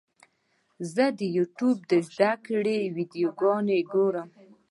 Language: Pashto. زه د یوټیوب زده کړې ویډیوګانې ګورم.